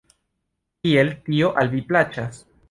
Kiel tio al vi plaĉas?